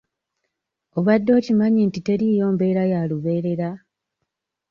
Obadde okimanyi nti teriiyo mbeera ya lubeerera?